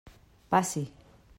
Passi.